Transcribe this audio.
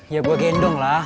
ya gue gendong lah